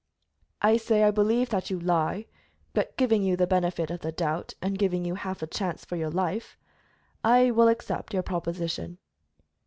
"I say I believe that you lie, but giving you the benefit of the doubt, and giving you half a chance for your life, I will accept your proposition."